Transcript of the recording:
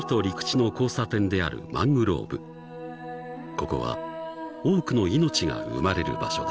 ［ここは多くの命が生まれる場所だ］